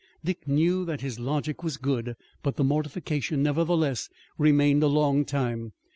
Dick knew that his logic was good, but the mortification nevertheless remained a long time.